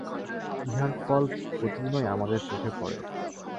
ইহার ফল প্রতিদিনই আমাদের চোখে পড়ে।